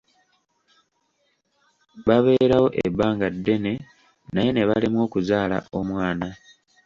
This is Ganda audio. Babeerawo ebbanga ddene naye ne balemwa okuzaala omwana.